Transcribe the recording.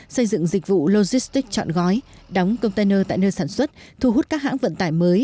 xây dựng dịch vụ logistics chọn gói đóng container tại nơi sản xuất thu hút các hãng vận tải mới